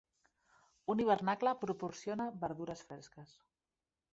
Un hivernacle proporciona verdures fresques.